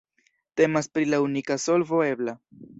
Temas pri la unika solvo ebla.